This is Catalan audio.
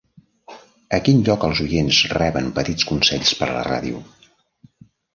A quin lloc els oients reben petits consells per la ràdio.